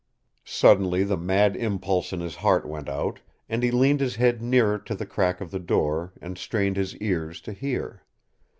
Suddenly the mad impulse in his heart went out, and he leaned his head nearer to the crack of the door, and strained his ears to hear.